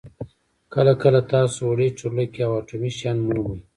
کله کله تاسو وړې چورلکې او اټومي شیان مومئ